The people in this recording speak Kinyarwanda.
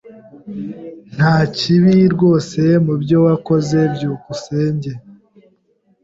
Nta kibi rwose mubyo wakoze. byukusenge